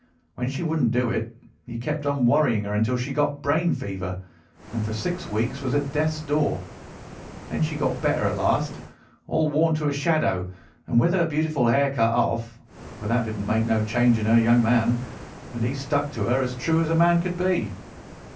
When she wouldn't do it, he kept on worrying her until she got brain fever, and for six weeks was at death's door. Then she got better at last, all worn to a shadow, and with her beautiful hair cut off; but that didn't make no change in her young man, and he stuck to her as true as man could be."